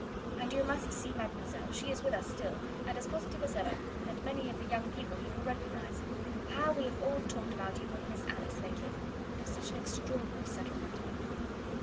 And you must see Mademoiselle; she is with us still, and as positive as ever; and many of the young people you will recognise. How we have all talked about you and Miss Alice lately. It was such an extraordinary settlement!"